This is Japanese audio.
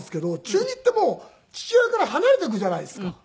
中２ってもう父親から離れていくじゃないですか。